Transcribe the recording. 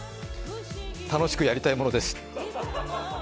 楽しくやりたいものです。